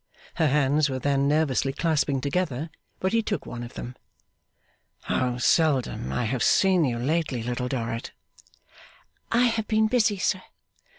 Her hands were then nervously clasping together, but he took one of them. 'How seldom I have seen you lately, Little Dorrit!' 'I have been busy, sir.